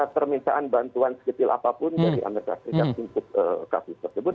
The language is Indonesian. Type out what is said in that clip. permintaan bantuan seketil apapun dari amerika serikat untuk kasus tersebut